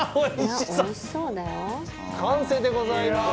完成でございます。